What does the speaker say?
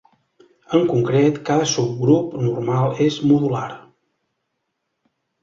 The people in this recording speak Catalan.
En concret, cada subgrup normal és modular.